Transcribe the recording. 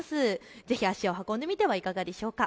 ぜひ足を運んでみてはいかがでしょうか。